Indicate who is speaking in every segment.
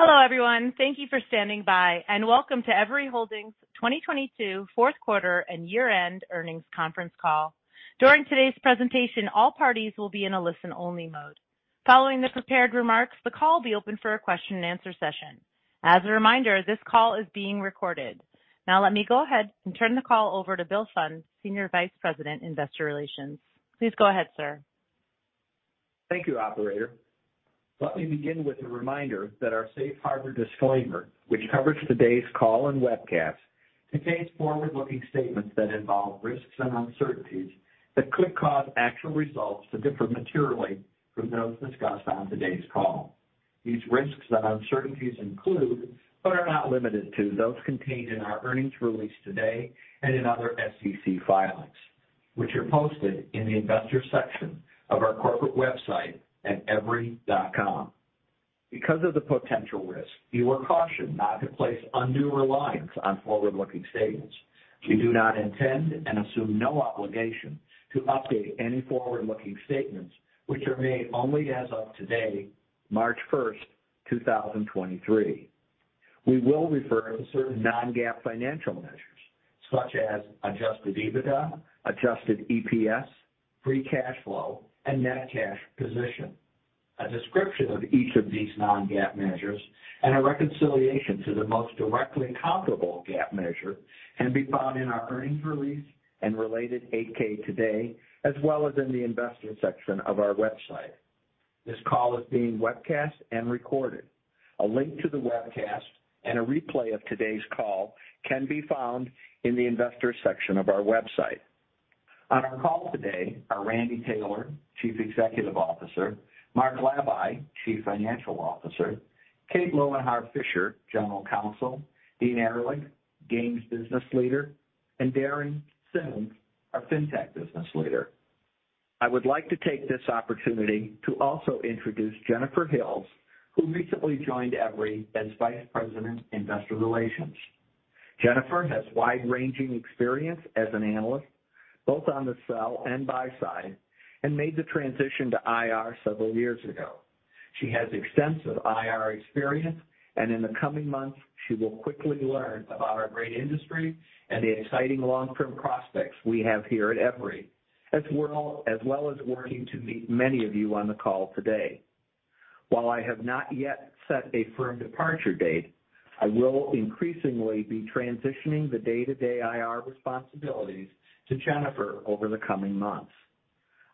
Speaker 1: Hello, everyone. Thank you for standing by, and welcome to Everi Holdings 2022 fourth quarter and year-end earnings conference call. During today's presentation, all parties will be in a listen-only mode. Following the prepared remarks, the call will be open for a question-and-answer session. As a reminder, this call is being recorded. Now let me go ahead and turn the call over to Bill Pfund, Senior Vice President, Investor Relations. Please go ahead, sir.
Speaker 2: Thank you, operator. Let me begin with a reminder that our safe harbor disclaimer, which covers today's call and webcast, contains forward-looking statements that involve risks and uncertainties that could cause actual results to differ materially from those discussed on today's call. These risks and uncertainties include, but are not limited to those contained in our earnings release today and in other SEC filings, which are posted in the investor section of our corporate website at everi.com. Because of the potential risk, you are cautioned not to place undue reliance on forward-looking statements. We do not intend and assume no obligation to update any forward-looking statements, which are made only as of today, March 1, 2023. We will refer to certain non-GAAP financial measures such as Adjusted EBITDA, Adjusted EPS, Free Cash Flow, and net cash position. A description of each of these non-GAAP measures and a reconciliation to the most directly comparable GAAP measure can be found in our earnings release and related 8-K today, as well as in the investor section of our website. This call is being webcast and recorded. A link to the webcast and a replay of today's call can be found in the investor section of our website. On our call today are Randy Taylor, Chief Executive Officer, Mark Labay, Chief Financial Officer, Kate Lowenhar-Fisher, General Counsel, Dean Ehrlich, Games Business Leader, and Darren Simmons, our FinTech Business Leader. I would like to take this opportunity to also introduce Jennifer Hills, who recently joined Everi as Vice President, Investor Relations. Jennifer has wide-ranging experience as an analyst, both on the sell and buy side, and made the transition to IR several years ago. She has extensive IR experience. In the coming months, she will quickly learn about our great industry and the exciting long-term prospects we have here at Everi, as well as working to meet many of you on the call today. While I have not yet set a firm departure date, I will increasingly be transitioning the day-to-day IR responsibilities to Jennifer over the coming months.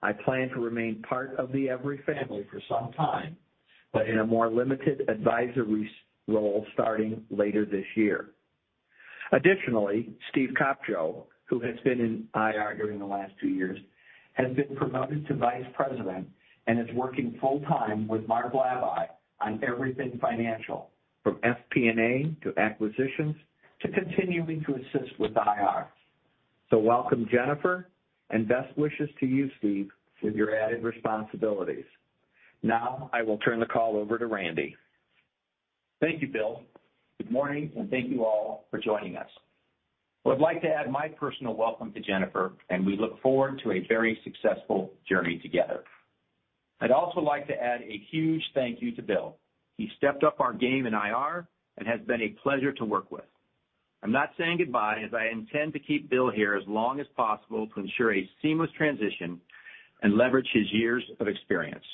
Speaker 2: I plan to remain part of the Everi family for some time, in a more limited advisory role starting later this year. Additionally, Steve Kopcho, who has been in IR during the last 2 years, has been promoted to vice president and is working full-time with Mark Labay on everything financial, from FP&A to acquisitions to continuing to assist with IR. Welcome, Jennifer, and best wishes to you, Steve, with your added responsibilities. Now I will turn the call over to Randy.
Speaker 3: Thank you, Bill. Good morning. Thank you all for joining us. I'd like to add my personal welcome to Jennifer, and we look forward to a very successful journey together. I'd also like to add a huge thank you to Bill. He stepped up our game in IR and has been a pleasure to work with. I'm not saying goodbye, as I intend to keep Bill here as long as possible to ensure a seamless transition and leverage his years of experience.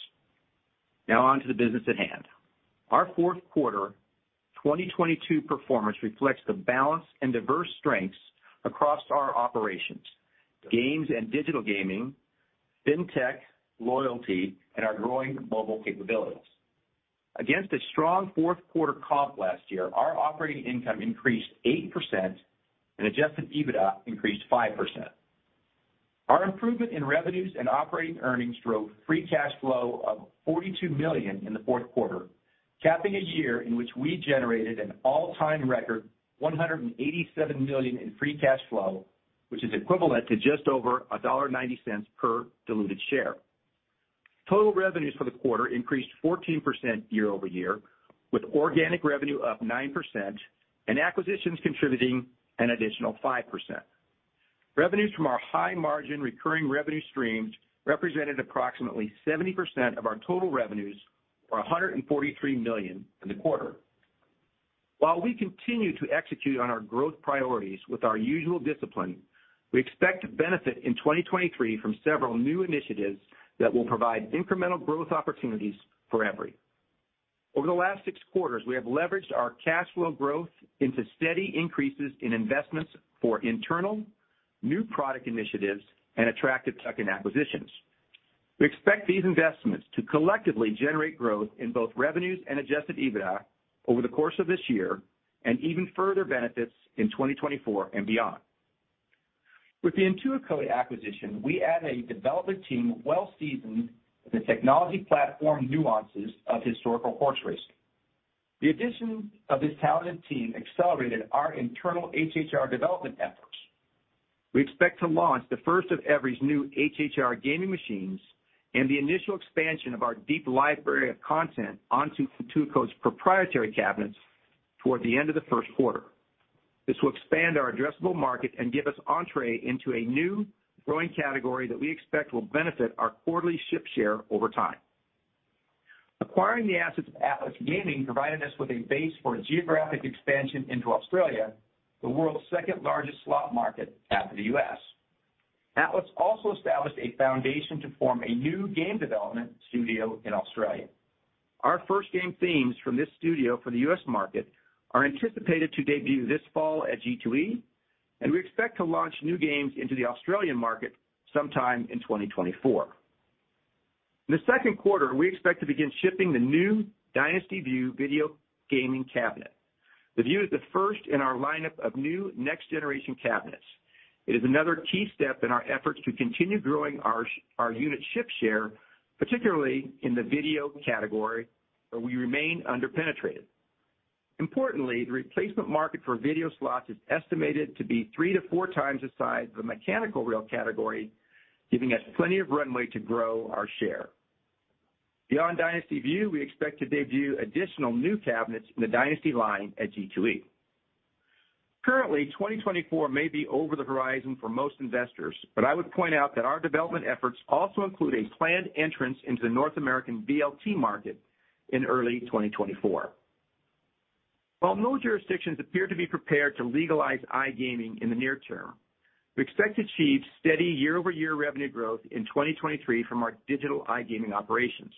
Speaker 3: On to the business at hand. Our fourth quarter 2022 performance reflects the balance and diverse strengths across our operations, games and digital gaming, FinTech, loyalty, and our growing mobile capabilities. Against a strong fourth quarter comp last year, our operating income increased 8% and Adjusted EBITDA increased 5%. Our improvement in revenues and operating earnings drove free cash flow of $42 million in the fourth quarter, capping a year in which we generated an all-time record $187 million in free cash flow, which is equivalent to just over $1.90 per diluted share. Total revenues for the quarter increased 14% year-over-year, with organic revenue up 9% and acquisitions contributing an additional 5%. Revenues from our high-margin recurring revenue streams represented approximately 70% of our total revenues or $143 million in the quarter. While we continue to execute on our growth priorities with our usual discipline, we expect to benefit in 2023 from several new initiatives that will provide incremental growth opportunities for Everi. Over the last 6 quarters, we have leveraged our cash flow growth into steady increases in investments for internal, new product initiatives, and attractive tuck-in acquisitions. We expect these investments to collectively generate growth in both revenues and Adjusted EBITDA over the course of this year and even further benefits in 2024 and beyond. With the Intuicode acquisition, we add a developer team well seasoned in the technology platform nuances of historical horse racing. The addition of this talented team accelerated our internal HHR development efforts. We expect to launch the first of Everi's new HHR gaming machines and the initial expansion of our deep library of content onto Intuicode's proprietary cabinets toward the end of the 1st quarter. This will expand our addressable market and give us entry into a new growing category that we expect will benefit our quarterly ship share over time. Acquiring the assets of Atlas Gaming provided us with a base for a geographic expansion into Australia, the world's second-largest slot market after the US. Atlas also established a foundation to form a new game development studio in Australia. Our first game themes from this studio for the US market are anticipated to debut this fall at G2E, and we expect to launch new games into the Australian market sometime in 2024. In the second quarter, we expect to begin shipping the new Dynasty Vue video gaming cabinet. The Vue is the first in our lineup of new next-generation cabinets. It is another key step in our efforts to continue growing our unit ship share, particularly in the video category, where we remain under-penetrated. Importantly, the replacement market for video slots is estimated to be three to four times the size of the mechanical reel category, giving us plenty of runway to grow our share. Beyond Dynasty Vue, we expect to debut additional new cabinets in the Dynasty line at G2E. Currently, 2024 may be over the horizon for most investors, but I would point out that our development efforts also include a planned entrance into the North American VLT market in early 2024. While no jurisdictions appear to be prepared to legalize iGaming in the near term, we expect to achieve steady year-over-year revenue growth in 2023 from our digital iGaming operations.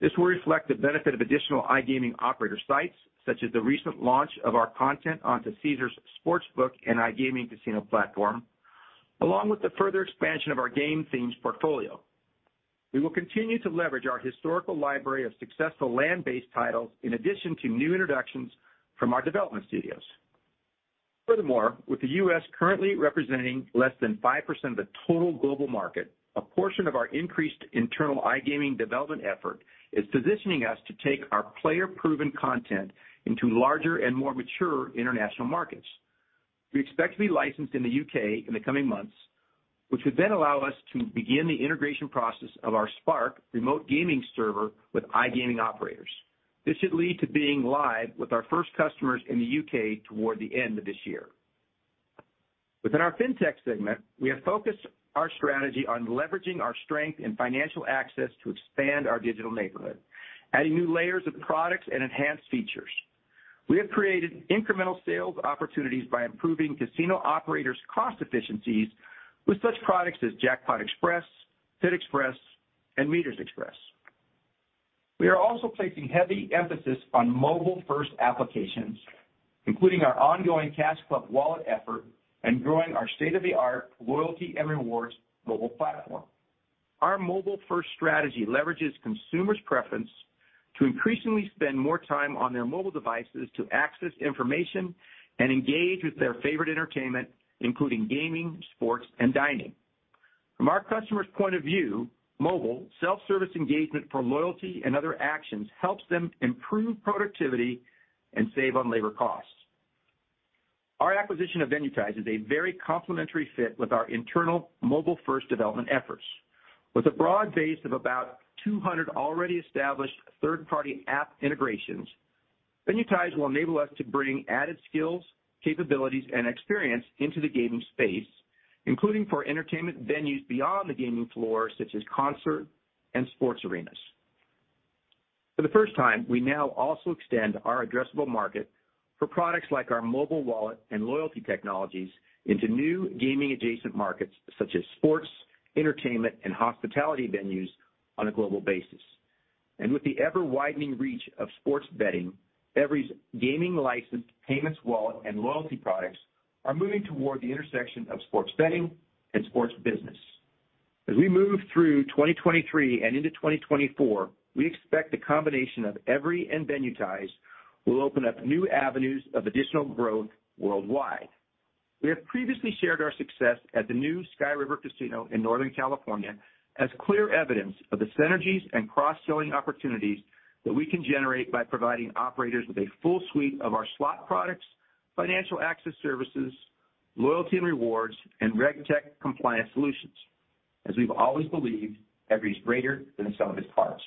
Speaker 3: This will reflect the benefit of additional iGaming operator sites, such as the recent launch of our content onto Caesars' sportsbook and iGaming casino platform, along with the further expansion of our game themes portfolio. We will continue to leverage our historical library of successful land-based titles in addition to new introductions from our development studios. Furthermore, with the U.S. currently representing less than 5% of the total global market, a portion of our increased internal iGaming development effort is positioning us to take our player-proven content into larger and more mature international markets. We expect to be licensed in the U.K. in the coming months, which would then allow us to begin the integration process of our Spark Remote Game Server with iGaming operators. This should lead to being live with our first customers in the U.K. toward the end of this year. Within our FinTech segment, we have focused our strategy on leveraging our strength in financial access to expand our digital neighborhood, adding new layers of products and enhanced features. We have created incremental sales opportunities by improving casino operators' cost efficiencies with such products as Jackpot Xpress, PitXpress, and MetersXpress. We are also placing heavy emphasis on mobile-first applications, including our ongoing CashClub Wallet effort and growing our state-of-the-art loyalty and rewards mobile platform. Our mobile-first strategy leverages consumers' preference to increasingly spend more time on their mobile devices to access information and engage with their favorite entertainment, including gaming, sports, and dining. From our customers' point of view, mobile, self-service engagement for loyalty and other actions helps them improve productivity and save on labor costs. Our acquisition of Venuetize is a very complementary fit with our internal mobile-first development efforts. With a broad base of about 200 already established third-party app integrations, Venuetize will enable us to bring added skills, capabilities, and experience into the gaming space, including for entertainment venues beyond the gaming floor, such as concert and sports arenas. For the first time, we now also extend our addressable market for products like our mobile wallet and loyalty technologies into new gaming-adjacent markets such as sports, entertainment, and hospitality venues on a global basis. With the ever-widening reach of sports betting, Everi's gaming license, payments wallet, and loyalty products are moving toward the intersection of sports betting and sports business. As we move through 2023 and into 2024, we expect the combination of Everi and Venuetize will open up new avenues of additional growth worldwide. We have previously shared our success at the new Sky River Casino in Northern California as clear evidence of the synergies and cross-selling opportunities that we can generate by providing operators with a full suite of our slot products, financial access services, loyalty and rewards, and RegTech compliance solutions. As we've always believed, Everi is greater than the sum of its parts.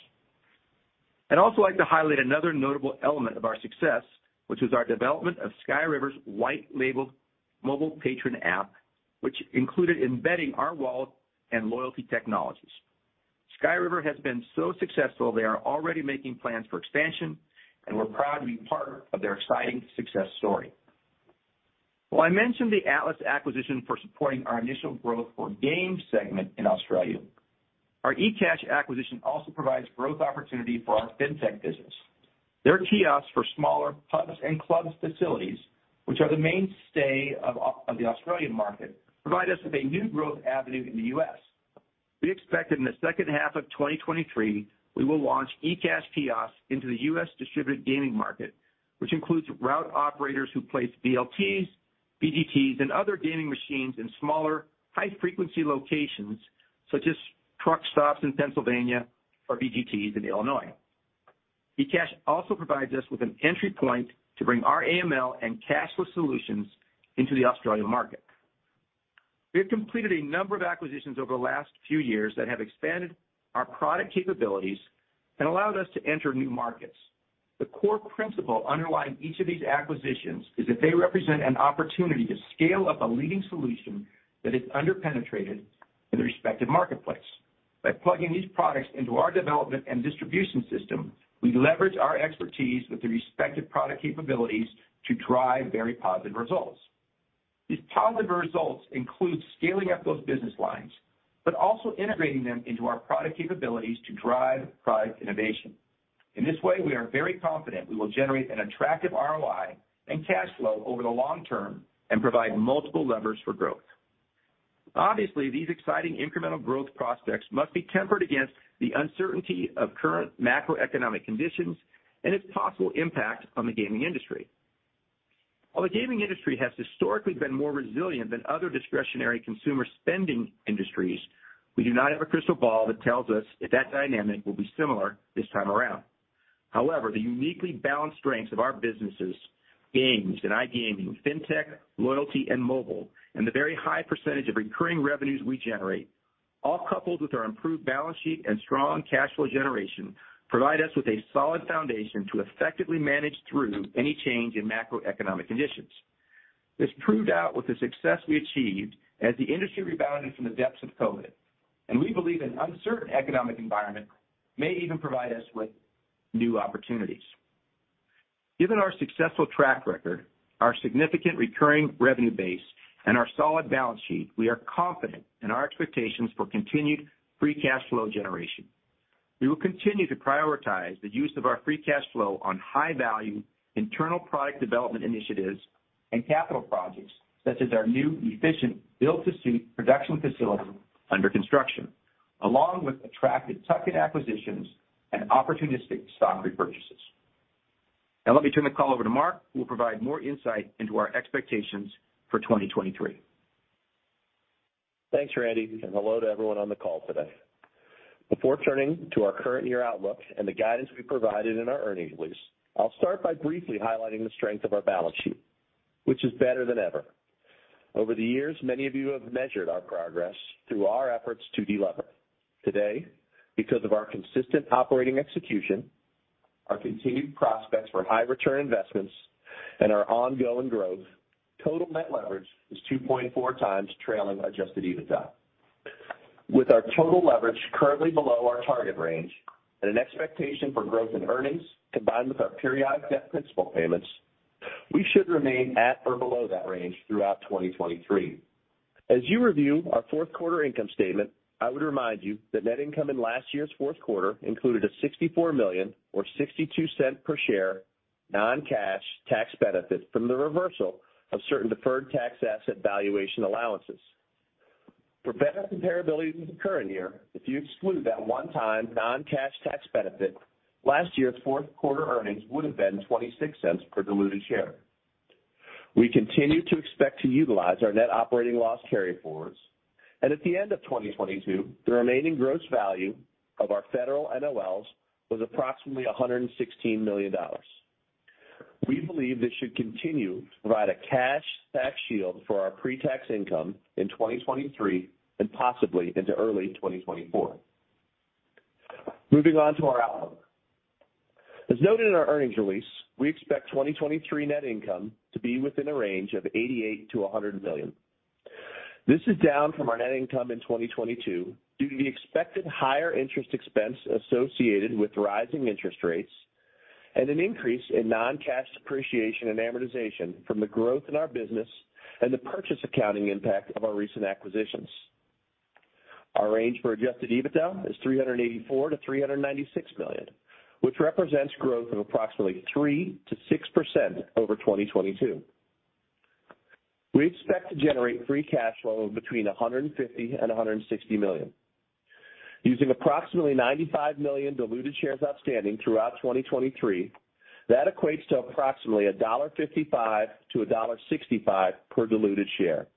Speaker 3: I'd also like to highlight another notable element of our success, which is our development of Sky River's white-labeled mobile patron app, which included embedding our wallet and loyalty technologies. Sky River has been so successful, they are already making plans for expansion, and we're proud to be part of their exciting success story. While I mentioned the Atlas acquisition for supporting our initial growth for games segment in Australia, our ecash acquisition also provides growth opportunity for our FinTech business. Their kiosks for smaller pubs and clubs facilities, which are the mainstay of the Australian market, provide us with a new growth avenue in the US. We expect that in the second half of 2023, we will launch ecash kiosks into the US distributed gaming market, which includes route operators who place VLTs, BGTs, and other gaming machines in smaller, high-frequency locations, such as truck stops in Pennsylvania or BGTs in Illinois. ecash also provides us with an entry point to bring our AML and cashless solutions into the Australian market. We have completed a number of acquisitions over the last few years that have expanded our product capabilities and allowed us to enter new markets. The core principle underlying each of these acquisitions is that they represent an opportunity to scale up a leading solution that is under-penetrated in the respective marketplace. By plugging these products into our development and distribution system, we leverage our expertise with the respective product capabilities to drive very positive results. These positive results include scaling up those business lines, also integrating them into our product capabilities to drive product innovation. In this way, we are very confident we will generate an attractive ROI and cash flow over the long term and provide multiple levers for growth. Obviously, these exciting incremental growth prospects must be tempered against the uncertainty of current macroeconomic conditions and its possible impact on the gaming industry. While the gaming industry has historically been more resilient than other discretionary consumer spending industries, we do not have a crystal ball that tells us if that dynamic will be similar this time around. The uniquely balanced strengths of our businesses, games and iGaming, FinTech, loyalty and mobile, and the very high percentage of recurring revenues we generate, all coupled with our improved balance sheet and strong cash flow generation, provide us with a solid foundation to effectively manage through any change in macroeconomic conditions. This proved out with the success we achieved as the industry rebounded from the depths of COVID. We believe an uncertain economic environment may even provide us with new opportunities. Given our successful track record, our significant recurring revenue base, and our solid balance sheet, we are confident in our expectations for continued Free Cash Flow generation. We will continue to prioritize the use of our Free Cash Flow on high-value internal product development initiatives and capital projects, such as our new efficient build-to-suit production facility under construction, along with attractive tuck-in acquisitions and opportunistic stock repurchases. Let me turn the call over to Mark, who will provide more insight into our expectations for 2023.
Speaker 4: Thanks, Randy. Hello to everyone on the call today. Before turning to our current year outlook and the guidance we provided in our earnings release, I'll start by briefly highlighting the strength of our balance sheet, which is better than ever. Over the years, many of you have measured our progress through our efforts to delever. Today, because of our consistent operating execution, our continued prospects for high return investments, and our ongoing growth, total net leverage is 2.4x trailing Adjusted EBITDA. With our total leverage currently below our target range and an expectation for growth in earnings combined with our periodic debt principal payments, we should remain at or below that range throughout 2023. As you review our fourth quarter income statement, I would remind you that net income in last year's fourth quarter included a $64 million or $0.62 per share non-cash tax benefit from the reversal of certain deferred tax asset valuation allowances. For better comparability to the current year, if you exclude that one-time non-cash tax benefit, last year's fourth quarter earnings would have been $0.26 per diluted share. We continue to expect to utilize our net operating loss carryforwards, and at the end of 2022, the remaining gross value of our federal NOLs was approximately $116 million. We believe this should continue to provide a cash tax shield for our pre-tax income in 2023 and possibly into early 2024. Moving on to our outlook. As noted in our earnings release, we expect 2023 net income to be within a range of $88 million-$100 million. This is down from our net income in 2022 due to the expected higher interest expense associated with rising interest rates and an increase in non-cash depreciation and amortization from the growth in our business and the purchase accounting impact of our recent acquisitions. Our range for Adjusted EBITDA is $384 million-$396 million, which represents growth of approximately 3%-6% over 2022. We expect to generate Free Cash Flow of between $150 million and $160 million. Using approximately 95 million diluted shares outstanding throughout 2023, that equates to approximately $1.55-$1.65 per diluted share.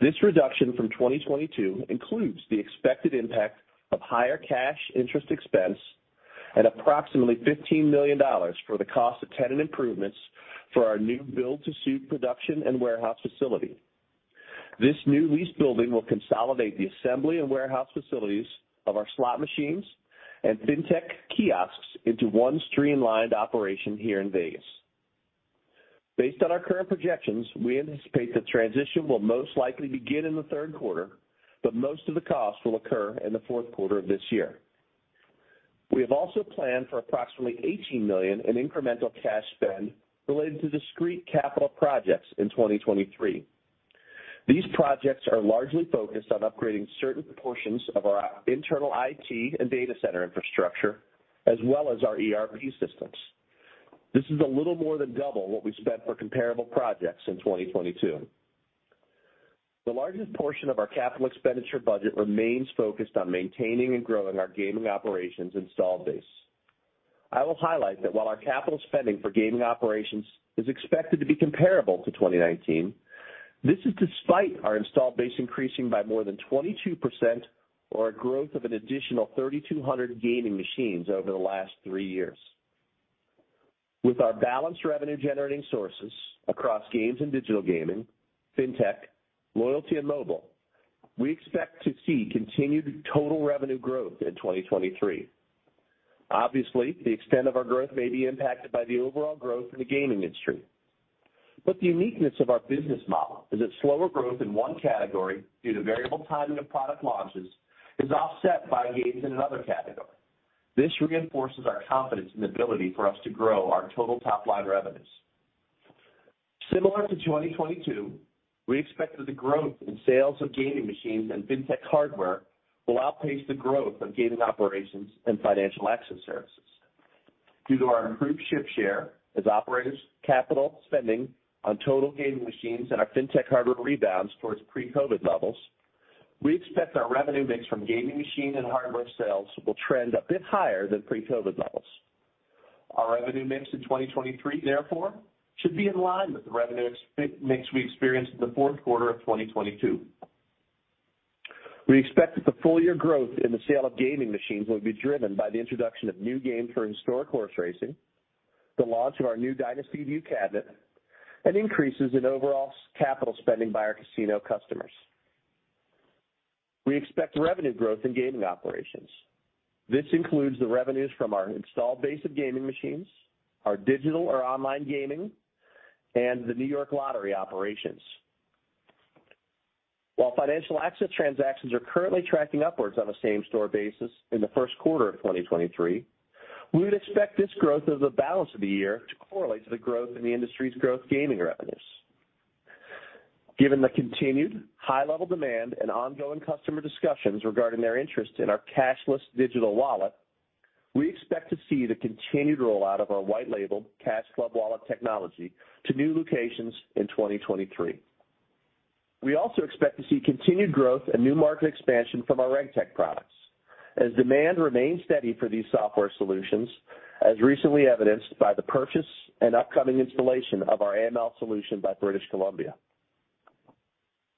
Speaker 4: This reduction from 2022 includes the expected impact of higher cash interest expense and approximately $15 million for the cost of tenant improvements for our new build-to-suit production and warehouse facility. This new lease building will consolidate the assembly and warehouse facilities of our slot machines and FinTech kiosks into one streamlined operation here in Vegas. Based on our current projections, we anticipate the transition will most likely begin in the third quarter, but most of the costs will occur in the fourth quarter of this year. We have also planned for approximately $18 million in incremental cash spend related to discrete capital projects in 2023. These projects are largely focused on upgrading certain portions of our internal IT and data center infrastructure as well as our ERP systems. This is a little more than double what we spent for comparable projects in 2022. The largest portion of our capital expenditure budget remains focused on maintaining and growing our gaming operations installed base. I will highlight that while our capital spending for gaming operations is expected to be comparable to 2019, this is despite our installed base increasing by more than 22% or a growth of an additional 3,200 gaming machines over the last three years. With our balanced revenue generating sources across games and digital gaming, FinTech, loyalty and mobile, we expect to see continued total revenue growth in 2023. Obviously, the extent of our growth may be impacted by the overall growth in the gaming industry. The uniqueness of our business model is that slower growth in one category due to variable timing of product launches is offset by gains in another category. This reinforces our confidence and ability for us to grow our total top line revenues. Similar to 2022, we expect that the growth in sales of gaming machines and FinTech hardware will outpace the growth of gaming operations and financial access services. Due to our improved ship share as operators' capital spending on total gaming machines and our FinTech hardware rebounds towards pre-COVID levels, we expect our revenue mix from gaming machine and hardware sales will trend a bit higher than pre-COVID levels. Our revenue mix in 2023, therefore, should be in line with the revenue ex-mix we experienced in the fourth quarter of 2022. We expect that the full year growth in the sale of gaming machines will be driven by the introduction of new games for historic horse racing, the launch of our new Dynasty Vue cabinet, and increases in overall capital spending by our casino customers. We expect revenue growth in gaming operations. This includes the revenues from our installed base of gaming machines, our digital or online gaming, and the New York Lottery operations. While financial access transactions are currently tracking upwards on a same-store basis in the first quarter of 2023, we would expect this growth of the balance of the year to correlate to the growth in the industry's growth gaming revenues. Given the continued high level demand and ongoing customer discussions regarding their interest in our cashless digital wallet, we expect to see the continued rollout of our white-label CashClub Wallet technology to new locations in 2023. We also expect to see continued growth and new market expansion from our RegTech products, as demand remains steady for these software solutions, as recently evidenced by the purchase and upcoming installation of our AML solution by British Columbia.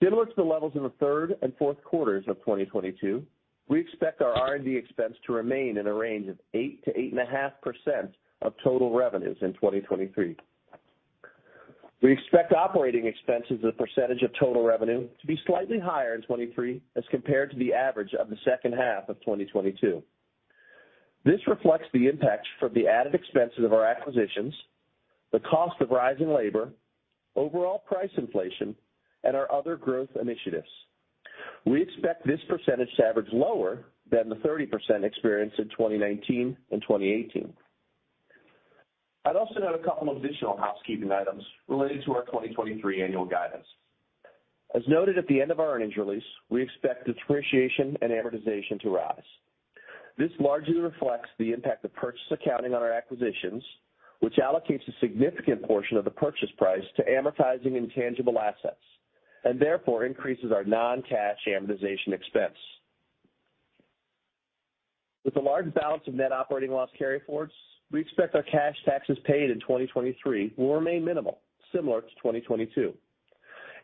Speaker 4: Similar to the levels in the third and fourth quarters of 2022, we expect our R&D expense to remain in a range of 8% to 8.5% of total revenues in 2023. We expect operating expenses as a percentage of total revenue to be slightly higher in 2023 as compared to the average of the second half of 2022. This reflects the impact from the added expenses of our acquisitions, the cost of rising labor, overall price inflation, and our other growth initiatives. We expect this percentage to average lower than the 30% experienced in 2019 and 2018. I'd also note a couple of additional housekeeping items related to our 2023 annual guidance. As noted at the end of our earnings release, we expect depreciation and amortization to rise. This largely reflects the impact of purchase accounting on our acquisitions, which allocates a significant portion of the purchase price to amortizing intangible assets, and therefore, increases our non-cash amortization expense. With a large balance of net operating loss carryforwards, we expect our cash taxes paid in 2023 will remain minimal, similar to 2022,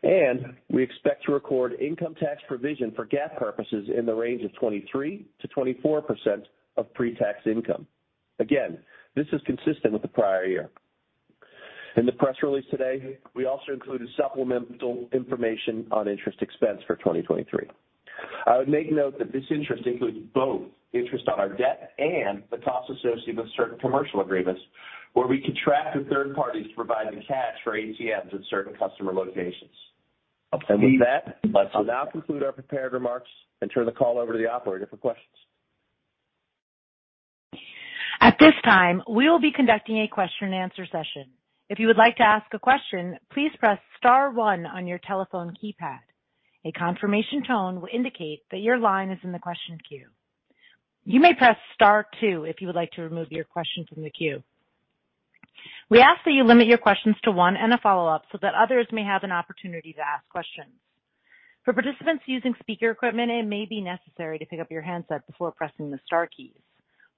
Speaker 4: and we expect to record income tax provision for GAAP purposes in the range of 23%-24% of pre-tax income. Again, this is consistent with the prior year. In the press release today, we also included supplemental information on interest expense for 2023. I would make note that this interest includes both interest on our debt and the costs associated with certain commercial agreements where we contract with third parties to provide the cash for ATMs at certain customer locations. With that, I'll now conclude our prepared remarks and turn the call over to the operator for questions.
Speaker 1: At this time, we will be conducting a question-and-answer session. If you would like to ask a question, please press star one on your telephone keypad. A confirmation tone will indicate that your line is in the question queue. You may press Star two if you would like to remove your question from the queue. We ask that you limit your questions to one and a follow-up so that others may have an opportunity to ask questions. For participants using speaker equipment, it may be necessary to pick up your handset before pressing the star keys.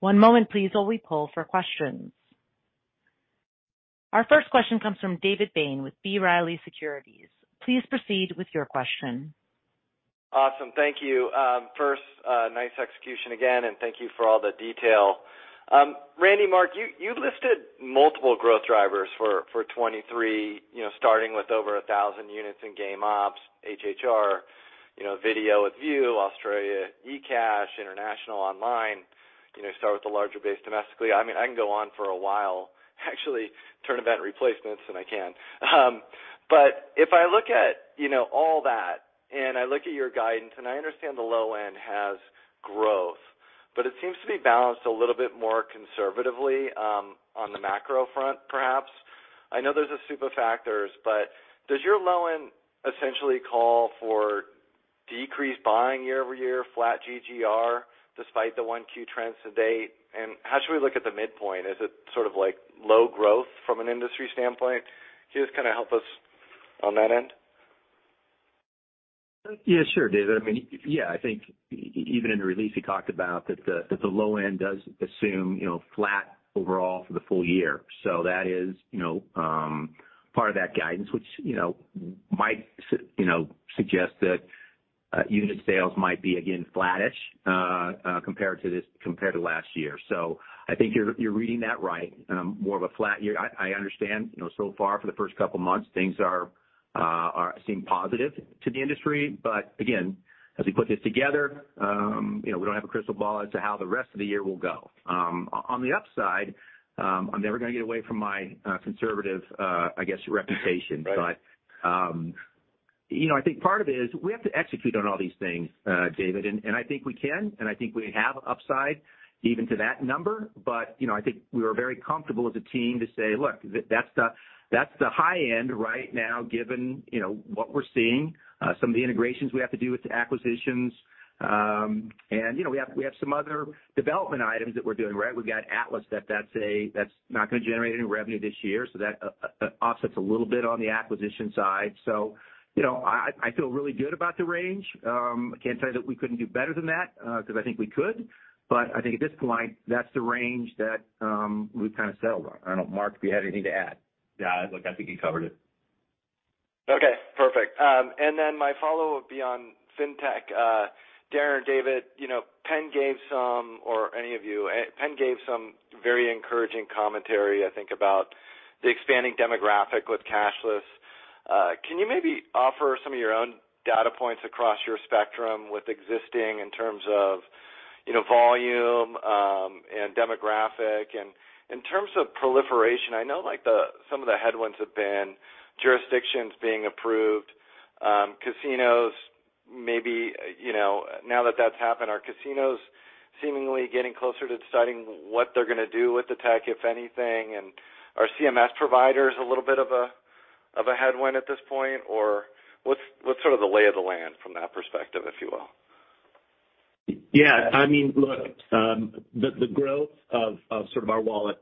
Speaker 1: One moment please while we poll for questions. Our first question comes from David Bain with B. Riley Securities. Please proceed with your question.
Speaker 5: Awesome. Thank you. First, nice execution again, and thank you for all the detail. Randy, Mark, you listed multiple growth drivers for 2023, you know, starting with over 1,000 units in game ops, HHR, you know, video with Vue, Australia ecash, international online, you know, start with the larger base domestically. I mean, I can go on for a while, actually, TournEvent replacements, and I can. If I look at, you know, all that, and I look at your guidance, and I understand the low end has growth, but it seems to be balanced a little bit more conservatively, on the macro front, perhaps. I know there's a super factors, but does your low end essentially call for decreased buying year-over-year, flat GGR despite the 1Q trends to date? How should we look at the midpoint? Is it sort of like low growth from an industry standpoint? Can you just kind of help us on that end?
Speaker 3: Yeah, sure, David. I mean, yeah, I think even in the release, we talked about that the low end does assume, you know, flat overall for the full year. That is, you know, part of that guidance, which, you know, might suggest that Unit sales might be again flattish compared to last year. I think you're reading that right. More of a flat year. I understand, you know, so far for the first couple months, things seem positive to the industry. Again, as we put this together, you know, we don't have a crystal ball as to how the rest of the year will go. On the upside, I'm never gonna get away from my conservative, I guess, reputation.
Speaker 4: Right.
Speaker 3: You know, I think part of it is we have to execute on all these things, David, and I think we can, and I think we have upside even to that number. You know, I think we are very comfortable as a team to say, "Look, that's the, that's the high end right now, given, you know, what we're seeing, some of the integrations we have to do with the acquisitions." You know, we have some other development items that we're doing, right? We've got Atlas that's not gonna generate any revenue this year, so that offsets a little bit on the acquisition side. You know, I feel really good about the range. I can't tell you that we couldn't do better than that, 'cause I think we could, but I think at this point, that's the range that we've kind of settled on. I don't know, Mark, if you had anything to add.
Speaker 4: Yeah. Look, I think you covered it.
Speaker 5: Okay, perfect. My follow-up would be on FinTech. Darren, David, you know, Penn gave some or any of you. Penn gave some very encouraging commentary, I think, about the expanding demographic with cashless. Can you maybe offer some of your own data points across your spectrum with existing in terms of, you know, volume, and demographic? In terms of proliferation, I know, like, some of the headwinds have been jurisdictions being approved, casinos, maybe, you know, now that that's happened, are casinos seemingly getting closer to deciding what they're gonna do with the tech, if anything? Are CMS providers a little bit of a headwind at this point, or what's sort of the lay of the land from that perspective, if you will?
Speaker 3: Yeah. I mean, look, the growth of sort of our wallet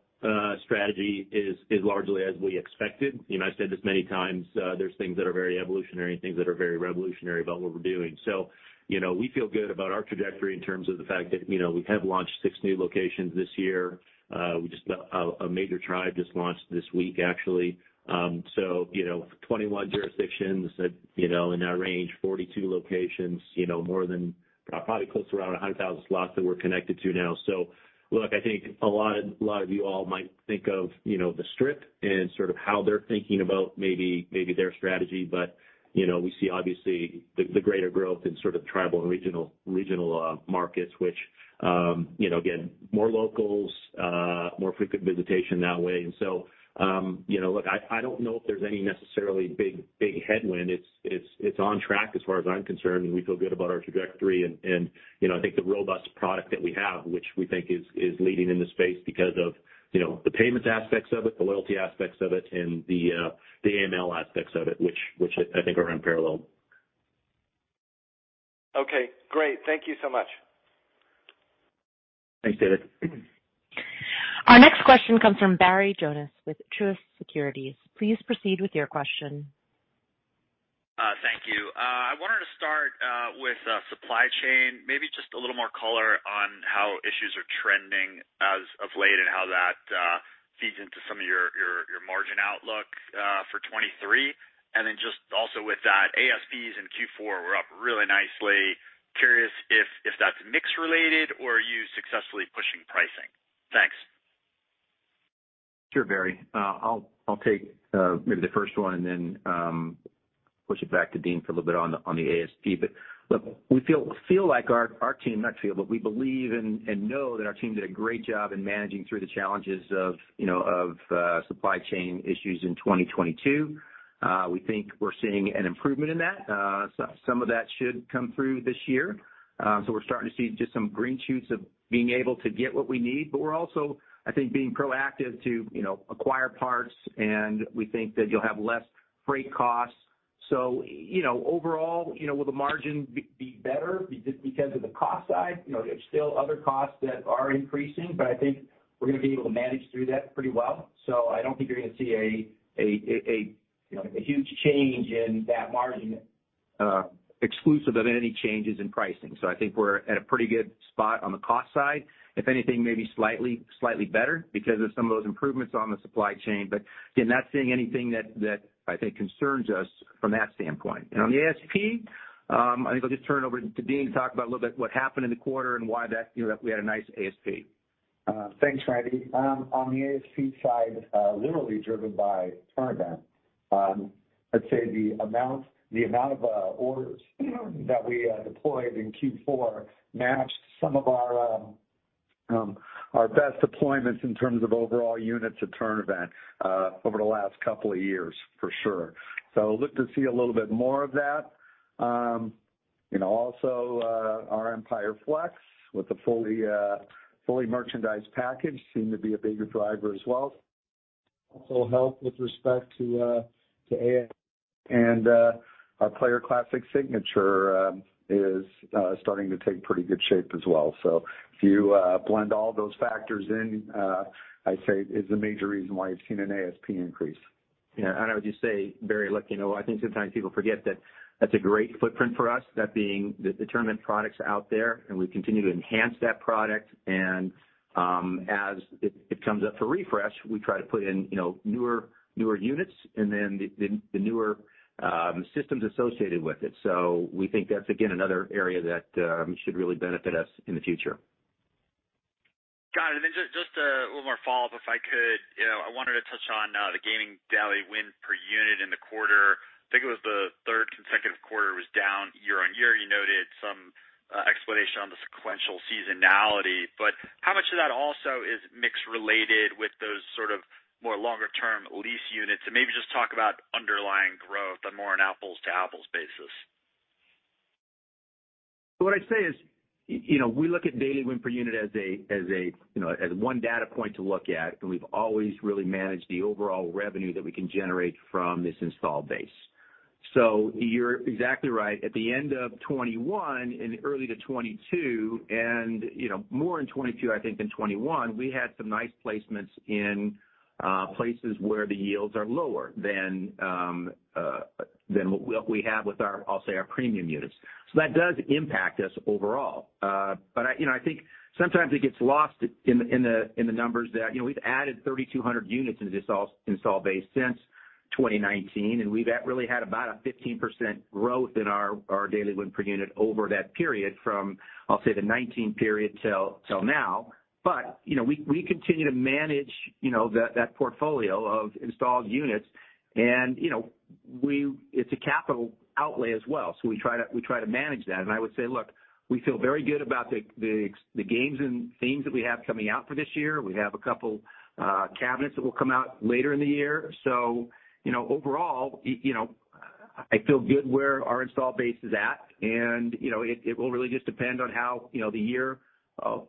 Speaker 3: strategy is largely as we expected. You know, I said this many times, there's things that are very evolutionary and things that are very revolutionary about what we're doing. You know, we feel good about our trajectory in terms of the fact that, you know, we have launched six new locations this year. A major tribe just launched this week, actually. You know, 21 jurisdictions that, you know, in our range, 42 locations, you know, more than probably close to around 100,000 slots that we're connected to now. Look, I think a lot of you all might think of, you know, the Strip and sort of how they're thinking about their strategy. You know, we see obviously the greater growth in sort of tribal and regional markets, which, you know, again, more locals, more frequent visitation that way. You know, look, I don't know if there's any necessarily big headwind. It's on track as far as I'm concerned, and we feel good about our trajectory and, you know, I think the robust product that we have, which we think is leading in the space because of, you know, the payments aspects of it, the loyalty aspects of it, and the AML aspects of it, which I think are unparalleled.
Speaker 5: Okay, great. Thank you so much.
Speaker 3: Thanks, David.
Speaker 1: Our next question comes from Barry Jonas with Truist Securities. Please proceed with your question.
Speaker 6: Thank you. I wanted to start with supply chain. Maybe just a little more color on how issues are trending as of late and how that feeds into some of your margin outlook for 23. Just also with that, ASPs in Q4 were up really nicely. Curious if that's mix related or are you successfully pushing pricing? Thanks.
Speaker 3: Sure, Barry. I'll take maybe the first one and then push it back to Dean for a little bit on the ASP. Look, we feel like our team, not feel, but we believe and know that our team did a great job in managing through the challenges of, you know, supply chain issues in 2022. We think we're seeing an improvement in that. Some of that should come through this year. We're starting to see just some green shoots of being able to get what we need, but we're also, I think, being proactive to, you know, acquire parts and we think that you'll have less freight costs. You know, overall, you know, will the margin be better because of the cost side? You know, there are still other costs that are increasing, but I think we're gonna be able to manage through that pretty well. I don't think you're gonna see a, you know, a huge change in that margin exclusive of any changes in pricing. I think we're at a pretty good spot on the cost side. If anything, maybe slightly better because of some of those improvements on the supply chain. Again, not seeing anything that I think concerns us from that standpoint. On the ASP, I think I'll just turn it over to Dean to talk about a little bit what happened in the quarter and why that, you know, we had a nice ASP.
Speaker 7: Thanks, Randy. On the ASP side, literally driven by TournEvent. I'd say the amount of orders that we deployed in Q4 matched some of our best deployments in terms of overall units of TournEvent over the last couple of years, for sure. Look to see a little bit more of that. You know, also, our Empire Flex with the fully merchandised package seemed to be a bigger driver as well. Also helped with respect to AE. Our Player Classic Signature is starting to take pretty good shape as well. If you blend all those factors in, I'd say it's a major reason why you've seen an ASP increase.
Speaker 3: Yeah. I would just say, Barry, look, you know, I think sometimes people forget that that's a great footprint for us, that being the determined products out there, and we continue to enhance that product. As it comes up for refresh, we try to put in, you know, newer units and then the newer systems associated with it. We think that's again, another area that should really benefit us in the future.
Speaker 6: Just a little more follow-up, if I could. You know, I wanted to touch on the gaming daily win per unit in the quarter. I think it was the third consecutive quarter it was down year-over-year. You noted some explanation on the sequential seasonality, but how much of that also is mix related with those sort of more longer-term lease units? Maybe just talk about underlying growth on more an apples to apples basis.
Speaker 3: What I'd say is, you know, we look at daily win per unit, you know, as one data point to look at, and we've always really managed the overall revenue that we can generate from this install base. You're exactly right. At the end of 2021 and early to 2022 and, you know, more in 2022, I think, than 2021, we had some nice placements in places where the yields are lower than what we have with our, I'll say, our premium units. That does impact us overall. I, you know, I think sometimes it gets lost in the, in the numbers that, you know, we've added 3,200 units into this install base since 2019, and we've really had about a 15% growth in our daily win per unit over that period from, I'll say, the 2019 period till now. You know, we continue to manage, you know, that portfolio of installed units. You know, it's a capital outlay as well, so we try to manage that. I would say, look, we feel very good about the games and themes that we have coming out for this year. We have a couple cabinets that will come out later in the year. You know, overall, you know, I feel good where our install base is at and, you know, it will really just depend on how, you know, the year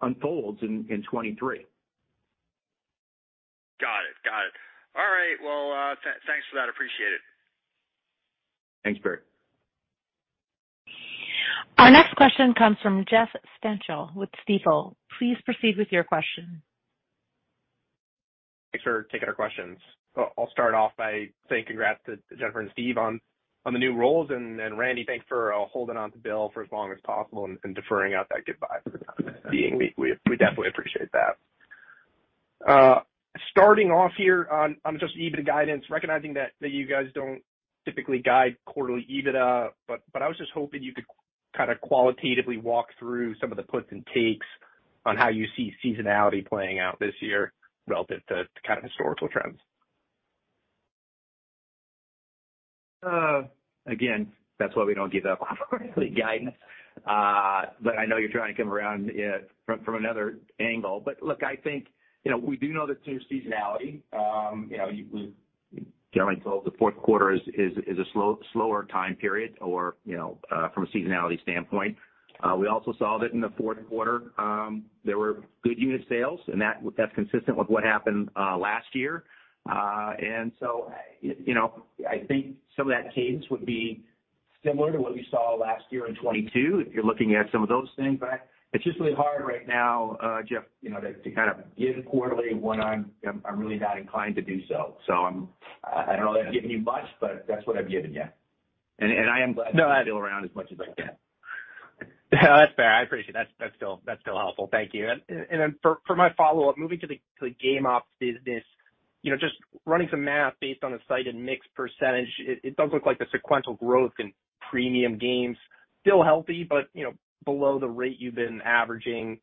Speaker 3: unfolds in 2023.
Speaker 6: Got it. All right. Well, thanks for that. Appreciate it.
Speaker 3: Thanks, Bert.
Speaker 1: Our next question comes from Jeff Stantial with Stifel. Please proceed with your question.
Speaker 8: Thanks for taking our questions. I'll start off by saying congrats to Jennifer Hills and Steve Kopcho on the new roles. Randy Taylor, thanks for holding on to Bill Pfund for as long as possible and deferring out that goodbye. We definitely appreciate that. Starting off here on just EBITDA guidance, recognizing that you guys don't typically guide quarterly EBITDA, but I was just hoping you could kind of qualitatively walk through some of the puts and takes on how you see seasonality playing out this year relative to kind of historical trends.
Speaker 3: Again, that's why we don't give that quarterly guidance. I know you're trying to come around it from another angle. Look, I think, you know, we do know that there's seasonality. You know, we generally told the fourth quarter is a slow-slower time period or, you know, from a seasonality standpoint. We also saw that in the fourth quarter, there were good unit sales and that's consistent with what happened last year. So, you know, I think some of that cadence would be similar to what we saw last year in 2022, if you're looking at some of those things. It's just really hard right now, Jeff, you know, to kind of give quarterly when I'm really not inclined to do so. I'm, I don't know that I've given you much, but that's what I've given you. I am glad.
Speaker 8: No.
Speaker 3: still around as much as I can.
Speaker 8: No, that's fair. I appreciate it. That's still helpful. Thank you. Then for my follow-up, moving to the game ops business. You know, just running some math based on the cited mix percentage, it does look like the sequential growth in premium games, still healthy but, you know, below the rate you've been averaging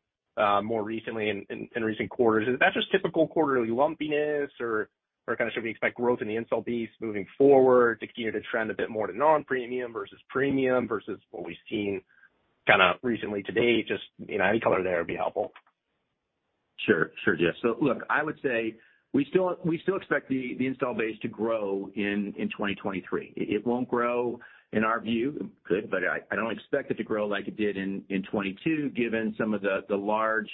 Speaker 8: more recently in recent quarters. Is that just typical quarterly lumpiness or kind of should we expect growth in the install base moving forward to continue to trend a bit more to non-premium versus premium versus what we've seen kinda recently to date? Just, you know, any color there would be helpful.
Speaker 3: Sure. Sure, Jeff. Look, I would say we still expect the install base to grow in 2023. It won't grow in our view. It could, but I don't expect it to grow like it did in 2022, given some of the large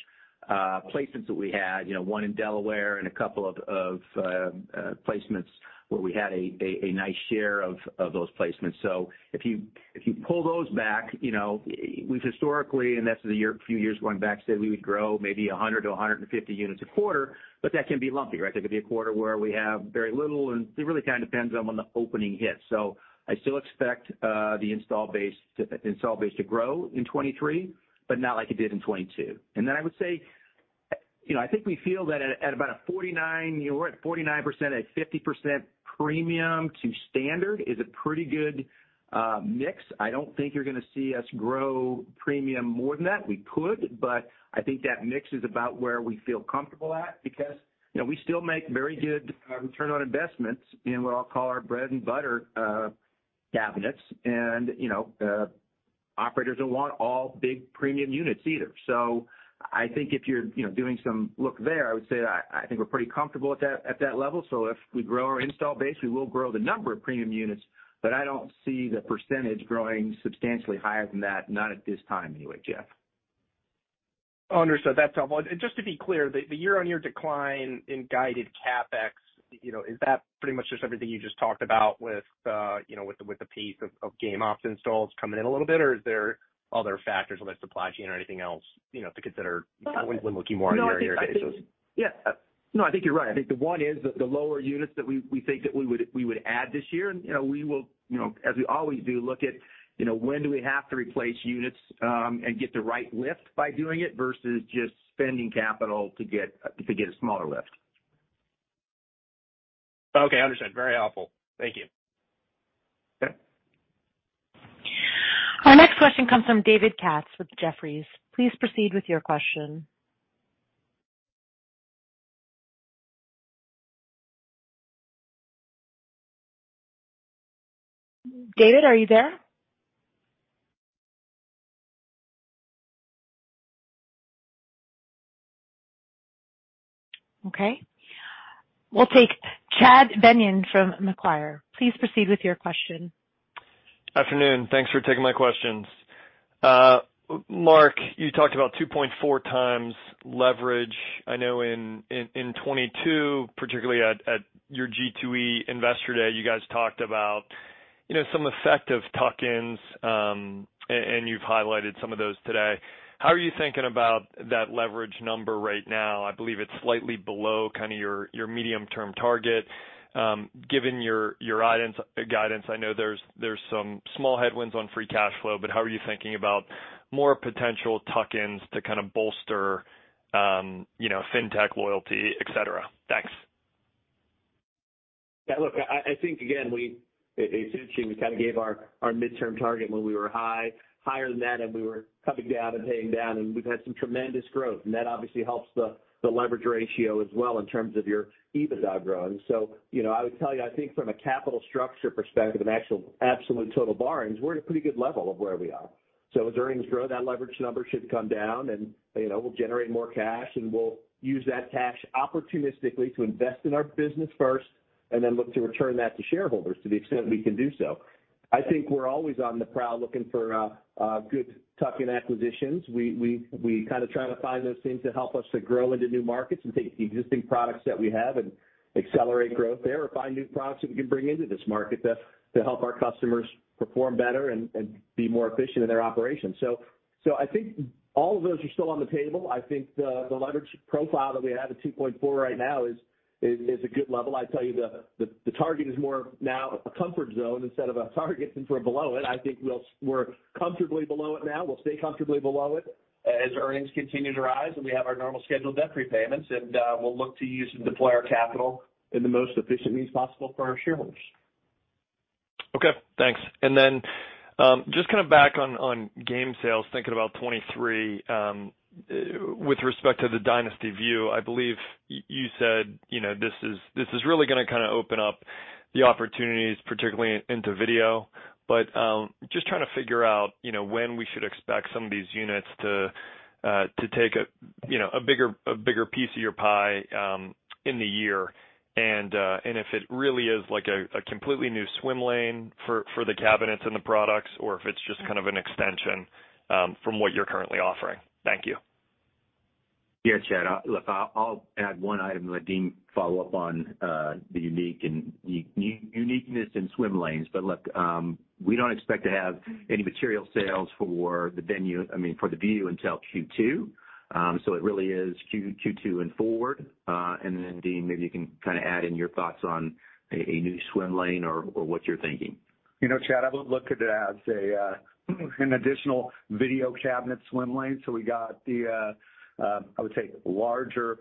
Speaker 3: placements that we had, you know, one in Delaware and a couple of placements where we had a nice share of those placements. If you pull those back, you know, we've historically, and this is a year, a few years going back, said we would grow maybe 100 to 150 units a quarter, but that can be lumpy, right? There could be a quarter where we have very little, and it really kind of depends on when the opening hits. I still expect the install base to grow in 2023, but not like it did in 2022. Then I would say, you know, I think we feel that at about a 49, you know, we're at 49%, at 50% premium to standard is a pretty good mix. I don't think you're gonna see us grow premium more than that. We could, but I think that mix is about where we feel comfortable at because, you know, we still make very good return on investments in what I'll call our bread and butter cabinets. Operators don't want all big premium units either. I think if you're, you know, doing some look there, I would say that I think we're pretty comfortable at that, at that level. If we grow our install base, we will grow the number of premium units, but I don't see the percentage growing substantially higher than that, not at this time anyway, Jeff.
Speaker 8: Understood. That's helpful. Just to be clear, the year-on-year decline in guided CapEx, you know, is that pretty much just everything you just talked about with, you know, with the pace of game ops installs coming in a little bit, or is there other factors like supply chain or anything else, you know, to consider when looking more on your year-to-year basis?
Speaker 3: Yeah. No, I think you're right. I think the one is the lower units that we think that we would add this year. You know, we will, you know, as we always do, look at, you know, when do we have to replace units and get the right lift by doing it versus just spending capital to get a smaller lift.
Speaker 8: Okay, I understand. Very helpful. Thank you.
Speaker 3: Okay.
Speaker 1: Our next question comes from David Katz with Jefferies. Please proceed with your question. David, are you there? Okay. We'll take Chad Beynon from Macquarie. Please proceed with your question.
Speaker 9: Afternoon. Thanks for taking my questions. Mark, you talked about 2.4x leverage. I know in 2022, particularly at your G2E Investor Day, you guys talked about, you know, some effective tuck-ins, and you've highlighted some of those today. How are you thinking about that leverage number right now? I believe it's slightly below kinda your medium-term target. Given your guidance, I know there's some small headwinds on Free Cash Flow, but how are you thinking about more potential tuck-ins to kind of bolster, you know, FinTech loyalty, et cetera? Thanks.
Speaker 4: Look, I think again, at ICR, we kinda gave our midterm target when we were high, higher than that, and we were coming down and paying down, and we've had some tremendous growth, and that obviously helps the leverage ratio as well in terms of your EBITDA growing. You know, I would tell you, I think from a capital structure perspective of actual absolute total borrowings, we're at a pretty good level of where we are. As earnings grow, that leverage number should come down, you know, we'll generate more cash, and we'll use that cash opportunistically to invest in our business first, then look to return that to shareholders to the extent we can do so. I think we're always on the prowl looking for good tuck-in acquisitions. We kinda try to find those things that help us to grow into new markets and take the existing products that we have and accelerate growth there or find new products that we can bring into this market to help our customers perform better and be more efficient in their operations. I think all of those are still on the table. I think the leverage profile that we have at 2.4 right now is a good level. I'd tell you the target is more now a comfort zone instead of a target, and if we're below it, I think we're comfortably below it now. We'll stay comfortably below it as earnings continue to rise, and we have our normal scheduled debt repayments and we'll look to use and deploy our capital in the most efficient means possible for our shareholders.
Speaker 9: Okay, thanks. Just kinda back on game sales, thinking about 23, with respect to the Dynasty Vue, I believe you said, you know, this is, this is really gonna kinda open up the opportunities, particularly into video. Just trying to figure out, you know, when we should expect some of these units to take a, you know, a bigger piece of your pie in the year and if it really is like a completely new swim lane for the cabinets and the products, or if it's just kind of an extension from what you're currently offering? Thank you.
Speaker 3: Yeah, Chad. look, I'll add one item and let Dean follow up on the unique and uniqueness in swim lanes. look, we don't expect to have any material sales for the Vue until Q2. it really is Q2 and forward. Dean, maybe you can kinda add in your thoughts on a new swim lane or what you're thinking.
Speaker 7: You know, Chad, I would look at it as an additional video cabinet swim lane. We got the, I would say larger,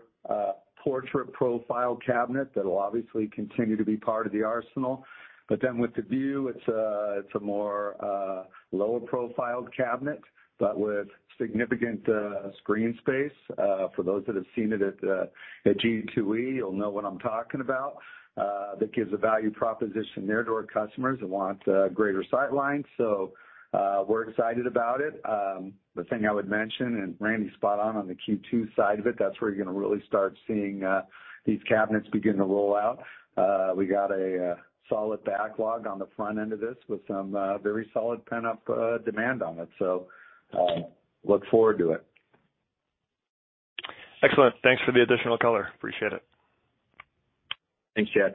Speaker 7: portrait profile cabinet that'll obviously continue to be part of the arsenal. With the Vue, it's a more lower profiled cabinet, but with significant screen space, for those that have seen it at G2E, you'll know what I'm talking about, that gives a value proposition there to our customers that want greater sight lines. We're excited about it. The thing I would mention, and Randy's spot on the Q2 side of it, that's where you're gonna really start seeing these cabinets begin to roll out. We got a solid backlog on the front end of this with some very solid pent-up demand on it. Look forward to it.
Speaker 9: Excellent. Thanks for the additional color. Appreciate it.
Speaker 3: Thanks, Chad.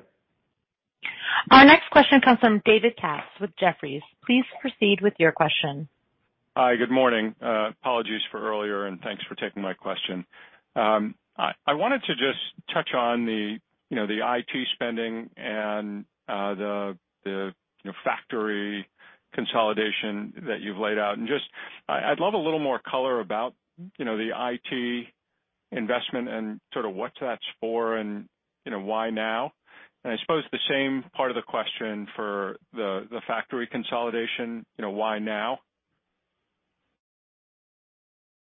Speaker 1: Our next question comes from David Katz with Jefferies. Please proceed with your question.
Speaker 10: Hi, good morning. Apologies for earlier, and thanks for taking my question. I wanted to just touch on the, you know, the IT spending and the, you know, factory consolidation that you've laid out. Just I'd love a little more color about, you know, the IT investment and sort of what that's for and, you know, why now? I suppose the same part of the question for the factory consolidation, you know, why now?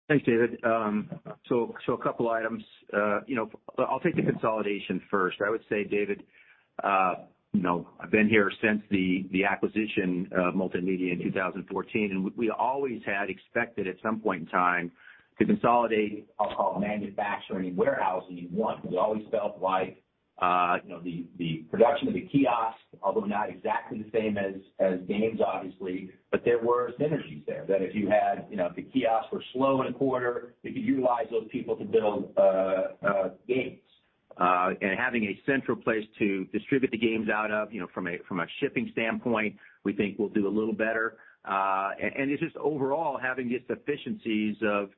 Speaker 3: Thanks, David. A couple items. I'll take the consolidation first. I would say, David, I've been here since the acquisition of Multimedia in 2014, and we always had expected at some point in time to consolidate, I'll call it manufacturing and warehousing, one. We always felt like the production of the kiosk, although not exactly the same as games obviously, but there were synergies there that if you had if the kiosks were slow in a quarter, you could utilize those people to build games. Having a central place to distribute the games out of from a shipping standpoint, we think we'll do a little better. And it's just overall having just efficiencies of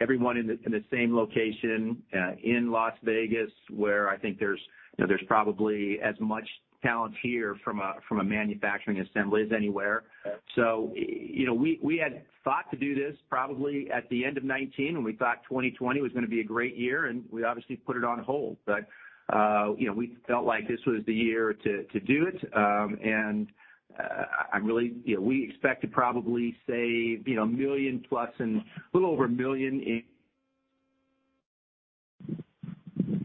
Speaker 3: everyone in the, in the same location in Las Vegas, where I think there's, you know, there's probably as much talent here from a, from a manufacturing assembly as anywhere. You know, we had thought to do this probably at the end of 19 when we thought 2020 was gonna be a great year, and we obviously put it on hold. You know, we felt like this was the year to do it. I'm really, you know, we expect to probably save, you know, $1 million plus and a little over $1 million.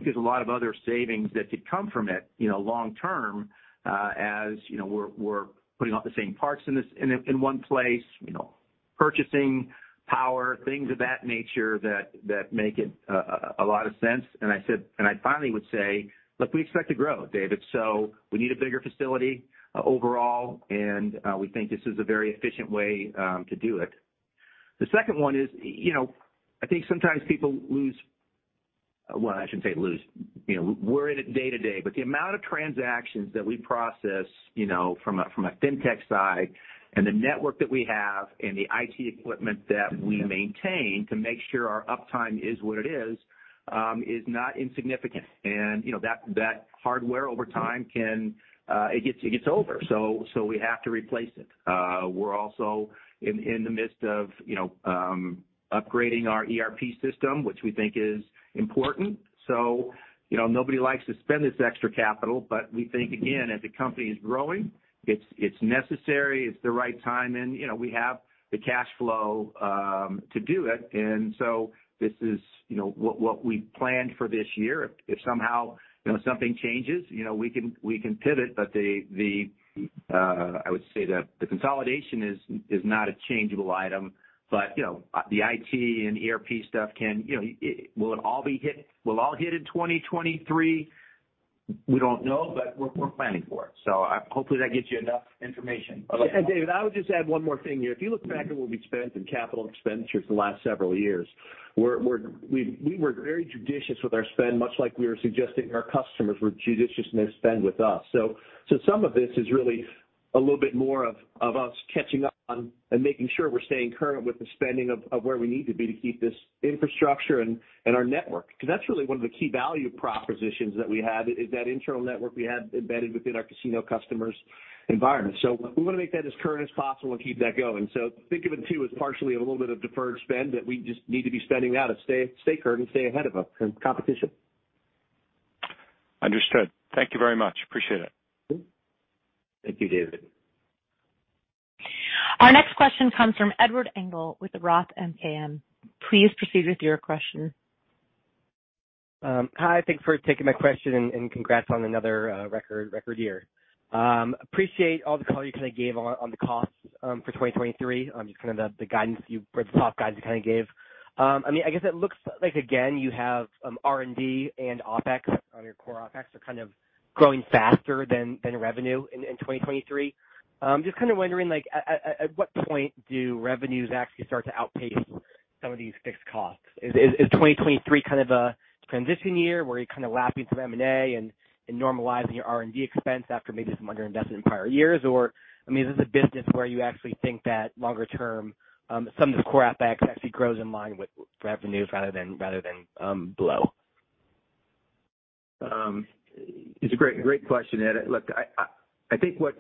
Speaker 3: There's a lot of other savings that could come from it, you know, long term, as, you know, we're putting all the same parts in one place, you know, purchasing power, things of that nature that make it a lot of sense. I finally would say, "Look, we expect to grow, David, so we need a bigger facility overall, and we think this is a very efficient way to do it." The second one is, you know, I think sometimes people lose. Well, I shouldn't say lose, you know, we're in it day to day, but the amount of transactions that we process, you know, from a FinTech side and the network that we have and the IT equipment that we maintain to make sure our uptime is what it is not insignificant. You know, that hardware over time can, it gets older, so we have to replace it. We're also in the midst of, you know, upgrading our ERP system, which we think is important. You know, nobody likes to spend this extra capital, but we think, again, as the company is growing, it's necessary, it's the right time, and, you know, we have the cash flow to do it. This is, you know, what we planned for this year. If somehow, you know, something changes, you know, we can pivot. The consolidation is not a changeable item. You know, the IT and ERP stuff can, you know. Will it all hit in 2023? We don't know, but we're planning for it. Hopefully that gets you enough information.
Speaker 4: David, I would just add one more thing here. If you look back at what we've spent in capital expenditures the last several years, we were very judicious with our spend, much like we were suggesting our customers were judicious in their spend with us. Some of this is really a little bit more of us catching up on and making sure we're staying current with the spending of where we need to be to keep this infrastructure and our network, because that's really one of the key value propositions that we have is that internal network we have embedded within our casino customers' environment. We want to make that as current as possible and keep that going. Think of it too, as partially a little bit of deferred spend that we just need to be spending now to stay current and stay ahead of competition.
Speaker 10: Understood. Thank you very much. Appreciate it.
Speaker 3: Thank you, David.
Speaker 1: Our next question comes from Edward Engel with Roth MKM. Please proceed with your question.
Speaker 11: Hi. Thanks for taking my question, and congrats on another record year. Appreciate all the color you kind of gave on the costs for 2023, just kind of the top guidance you kind of gave. I mean, I guess it looks like again, you have R&D and OpEx, or your core OpEx are kind of growing faster than revenue in 2023. Just kind of wondering like at what point do revenues actually start to outpace some of these fixed costs? Is 2023 kind of a transition year where you're kind of lapping some M&A and normalizing your R&D expense after maybe some underinvestment in prior years? I mean, is this a business where you actually think that longer term, some of the core OpEx actually grows in line with revenues rather than, below?
Speaker 3: It's a great question, Ed. Look, I think what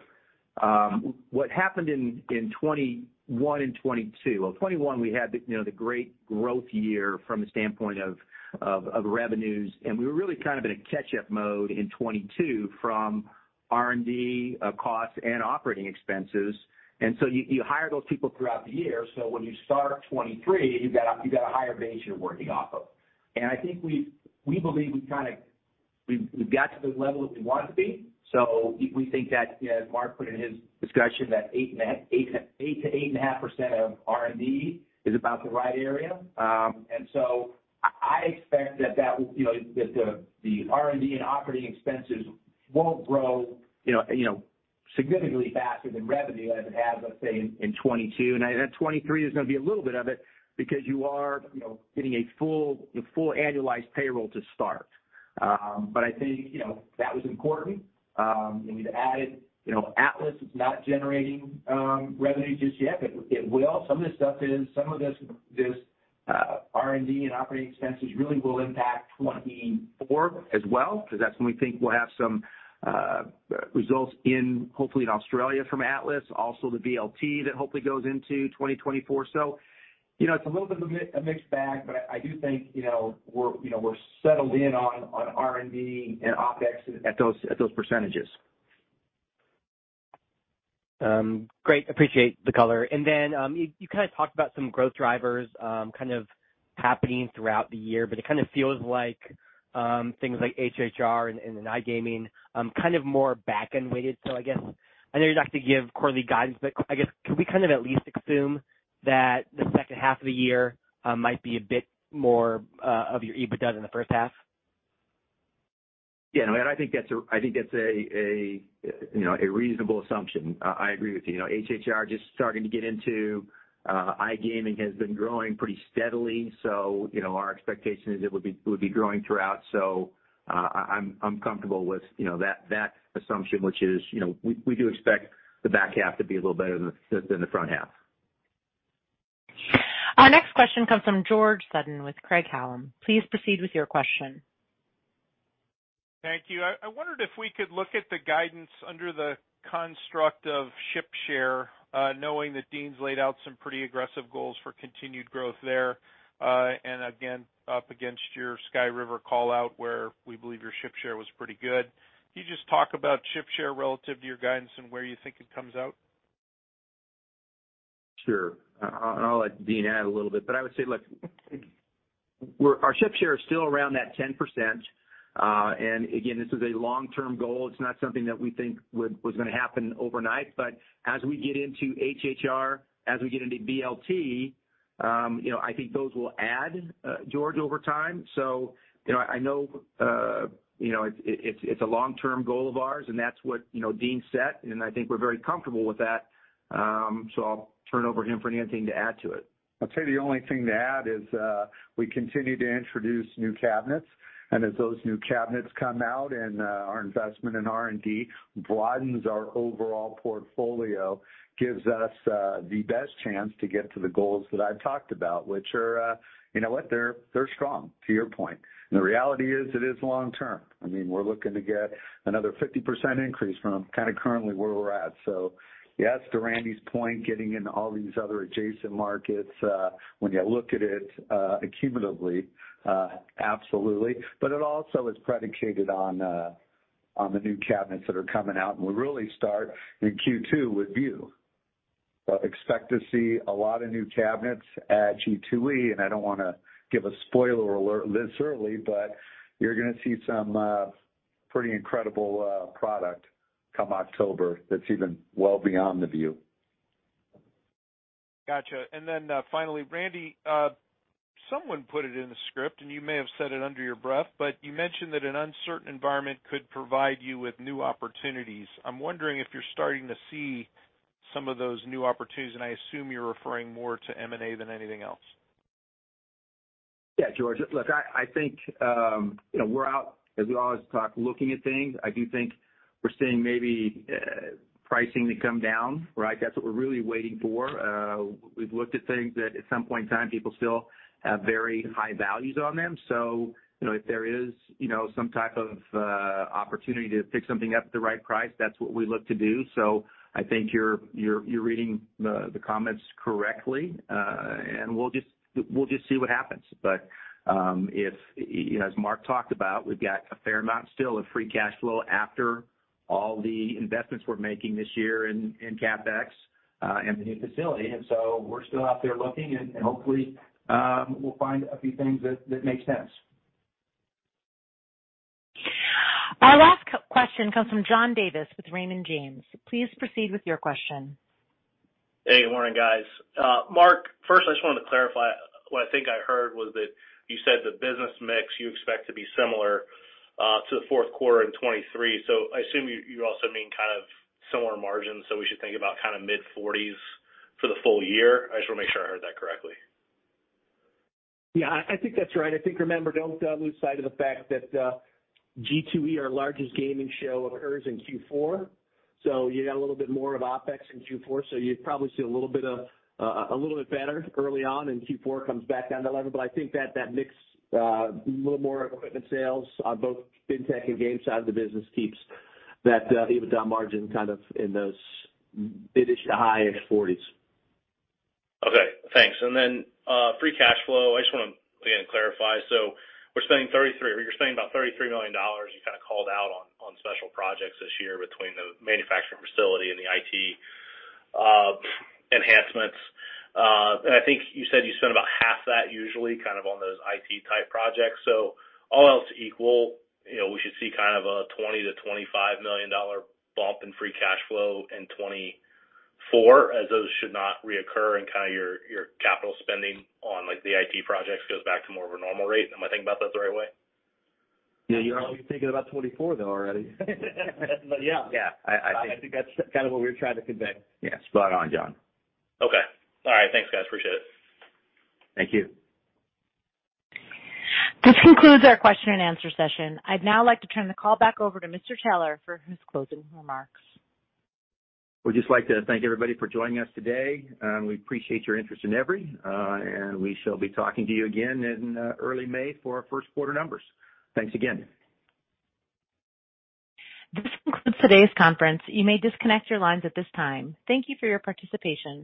Speaker 3: happened in 2021 and 2022. Well, 2021 we had the, you know, the great growth year from a standpoint of revenues, and we were really kind of in a catch-up mode in 2022 from R&D costs and operating expenses. You hire those people throughout the year, so when you start 2023, you've got a higher base you're working off of. I think we believe we've kinda got to the level that we want to be. We think that, you know, as Mark put in his discussion, that 8-8.5% of R&D is about the right area. I expect that that will, that the R&D and operating expenses won't grow significantly faster than revenue as it has, let's say, in 2022. I think 2023 is gonna be a little bit of it because you are getting a full annualized payroll to start. I think that was important. We've added. Atlas is not generating revenue just yet. It will. Some of this R&D and operating expenses really will impact 2024 as well, because that's when we think we'll have some results in, hopefully in Australia from Atlas, also the VLT that hopefully goes into 2024. You know, it's a little bit of a mixed bag, but I do think, you know, we're, you know, we're settled in on R&D and OpEx at those percentages.
Speaker 11: Great. Appreciate the color. You, you kind of talked about some growth drivers, kind of happening throughout the year, but it kind of feels like, things like HHR and iGaming, kind of more back-end weighted. I guess I know you'd like to give quarterly guidance, but I guess could we kind of at least assume that the second half of the year, might be a bit more of your EBITDA than the first half?
Speaker 3: Yeah, no, I think that's a, you know, a reasonable assumption. I agree with you. You know, HHR just starting to get into, iGaming has been growing pretty steadily, our expectation is it would be growing throughout. I'm comfortable with, you know, that assumption, which is, you know, we do expect the back half to be a little better than the front half.
Speaker 1: Our next question comes from George Sutton with Craig-Hallum. Please proceed with your question.
Speaker 12: Thank you. I wondered if we could look at the guidance under the construct of ship share, knowing that Dean's laid out some pretty aggressive goals for continued growth there, and again, up against your Sky River call-out, where we believe your ship share was pretty good. Can you just talk about ship share relative to your guidance and where you think it comes out?
Speaker 3: Sure. I'll let Dean add a little bit, but I would say, look, our ship share is still around that 10%, and again, this is a long-term goal. It's not something that we think was gonna happen overnight. As we get into HHR, as we get into BGTs, you know, I think those will add, George, over time. You know, I know, you know, it's a long-term goal of ours, and that's what, you know, Dean set, and I think we're very comfortable with that. I'll turn it over to him for anything to add to it.
Speaker 7: I'd say the only thing to add is, we continue to introduce new cabinets. As those new cabinets come out and, our investment in R&D broadens our overall portfolio, gives us, the best chance to get to the goals that I've talked about, which are, you know what? They're, they're strong, to your point. The reality is, it is long-term. I mean, we're looking to get another 50% increase from kinda currently where we're at. Yes, to Randy's point, getting into all these other adjacent markets, when you look at it, accumulatively, absolutely. It also is predicated on the new cabinets that are coming out. We really start in Q2 with Vue. Expect to see a lot of new cabinets at G2E. I don't want to give a spoiler alert this early. You're going to see some pretty incredible product come October that's even well beyond the Vue.
Speaker 12: Gotcha. Finally, Randy, someone put it in the script, and you may have said it under your breath, but you mentioned that an uncertain environment could provide you with new opportunities. I'm wondering if you're starting to see some of those new opportunities, and I assume you're referring more to M&A than anything else?
Speaker 3: Yeah. George, look, I think, you know, we're out, as we always talk, looking at things. I do think we're seeing maybe pricing to come down, right? That's what we're really waiting for. We've looked at things that at some point in time, people still have very high values on them. You know, if there is, you know, some type of opportunity to pick something up at the right price, that's what we look to do. I think you're reading the comments correctly. We'll just see what happens. If, as Mark talked about, we've got a fair amount still of Free Cash Flow after all the investments we're making this year in CapEx and the new facility. We're still out there looking and hopefully, we'll find a few things that make sense.
Speaker 1: Our last question comes from John Davis with Raymond James. Please proceed with your question.
Speaker 13: Hey, good morning, guys. Mark, first, I just wanted to clarify. What I think I heard was that you said the business mix you expect to be similar to the fourth quarter in 2023. I assume you also mean kind of similar margins, so we should think about kind of mid-forties for the full year. I just wanna make sure I heard that correctly.
Speaker 4: Yeah. I think that's right. I think, remember, don't lose sight of the fact that G2E, our largest gaming show, occurs in Q4. You got a little bit more of OpEx in Q4, so you'd probably see a little bit of a little bit better early on, and Q4 comes back down to level. I think that that mix, little more equipment sales on both FinTech and game side of the business keeps that EBITDA margin kind of in those mid-ish to highish forties.
Speaker 13: Okay, thanks. Then, Free Cash Flow. I just wanna again clarify. We're spending $33 million, or you're spending about $33 million you kinda called out on special projects this year between the manufacturing facility and the IT enhancements. I think you said you spend about half that usually kind of on those IT type projects. All else equal, you know, we should see kind of a $20 million-$25 million bump in Free Cash Flow in 2024, as those should not reoccur in kind of your capital spending on, like, the IT projects goes back to more of a normal rate. Am I thinking about that the right way?
Speaker 2: Yeah. You're thinking about 2024 though already.
Speaker 13: Yeah.
Speaker 7: Yeah. I think-
Speaker 2: I think that's kind of what we're trying to convey.
Speaker 3: Yes. Spot on, John.
Speaker 13: Okay. All right. Thanks, guys. Appreciate it.
Speaker 7: Thank you.
Speaker 1: This concludes our question and answer session. I'd now like to turn the call back over to Mr. Taylor for his closing remarks.
Speaker 3: We'd just like to thank everybody for joining us today. We appreciate your interest in Everi, and we shall be talking to you again in early May for our first quarter numbers. Thanks again.
Speaker 1: This concludes today's conference. You may disconnect your lines at this time. Thank you for your participation.